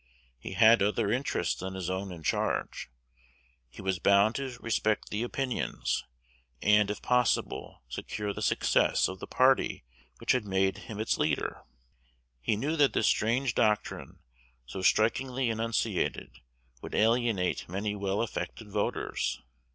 He had other interests than his own in charge: he was bound to respect the opinions, and, if possible, secure the success, of the party which had made him its leader. He knew that the strange doctrine, so strikingly enunciated, would alienate many well affected voters.